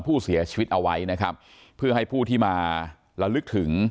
ผู้เสียชีวิตเอาไว้นะครับเพื่อให้ผู้ที่มาระลึกถึง